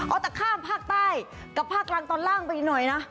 เอาแต่ข้ามภาคใต้กับภาคกลางตอนล่างไปอีกหน่อยนะ